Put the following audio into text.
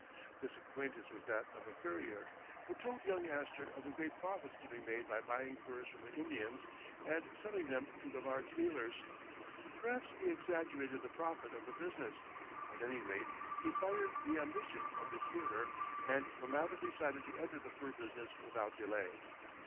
This acquaintance was that of a furrier, who told young Astor of the great profits to be made by buying furs from the Indians and selling them to the large dealers. Perhaps he exaggerated the profits of the business; at any rate, he fired the ambition of his hearer, and the latter decided to enter the fur business without delay.